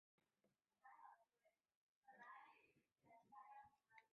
初代复兴大臣由东日本大震灾复兴对策担当大臣平野达男出任。